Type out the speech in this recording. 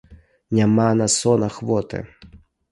Няма на сон ахвоты.